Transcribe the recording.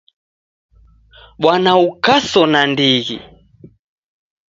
Bwana ukaso nandighi!